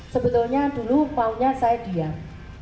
sebetulnya dulu maunya saya diam